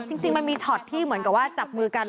จริงมันมีช็อตที่เหมือนกับว่าจับมือกัน